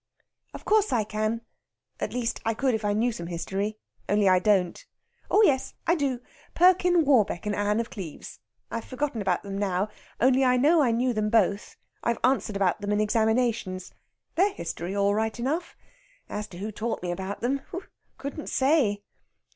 "Of course I can. At least, I could if I knew some history. Only I don't. Oh yes, I do. Perkin Warbeck and Anne of Cleves. I've forgotten about them now, only I know I knew them both. I've answered about them in examinations. They're history all right enough. As to who taught me about them, couldn't say!"